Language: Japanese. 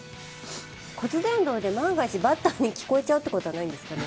骨伝導で万が一、バッターに聞こえちゃうみたいなことはないんですかね？